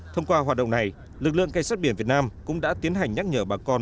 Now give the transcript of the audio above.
thông qua hoạt động này lực lượng cảnh sát biển việt nam cũng đã tiến hành nhắc nhở bà con